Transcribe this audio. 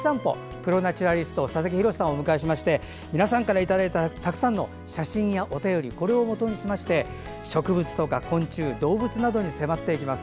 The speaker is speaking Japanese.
プロ・ナチュラリストの佐々木洋さんをお迎えしまして皆さんからいただいたたくさんの写真やお便りこれをもとにしまして植物や昆虫動物などに迫っていきます。